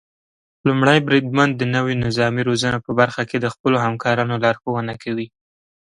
لومړی بریدمن د نويو نظامي روزنو په برخه کې د خپلو همکارانو لارښونه کوي.